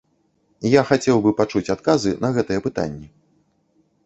Я хацеў бы пачуць адказы на гэтыя пытанні.